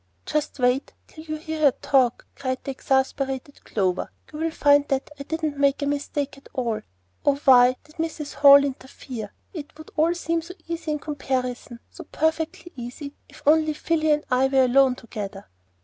"Just wait till you hear her talk," cried the exasperated Clover. "You will find that I didn't mistake her at all. Oh, why did Mrs. Hall interfere? It would all seem so easy in comparison so perfectly easy if only Philly and I were alone together."